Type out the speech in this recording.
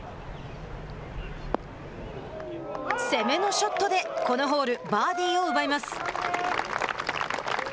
攻めのショットで、このホールバーディーを奪います。